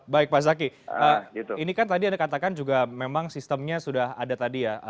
baik pak zaki ini kan tadi anda katakan juga memang sistemnya sudah ada tadi ya